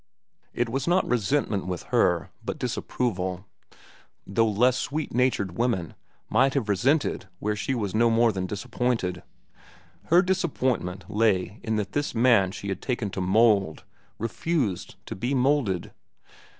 It was not resentment with her, but disapproval; though less sweet natured women might have resented where she was no more than disappointed. Her disappointment lay in that this man she had taken to mould, refused to be moulded.